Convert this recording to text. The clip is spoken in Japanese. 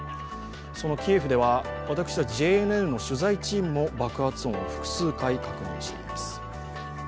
そのキエフでは私たちＪＮＮの取材チームも爆発音を複数回確認しています。